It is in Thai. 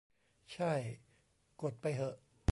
ใช่ กดไปเหอะ